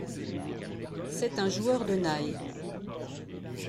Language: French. C'est un joueur de naï.